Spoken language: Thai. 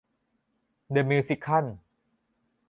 เดอะมิวสิคัล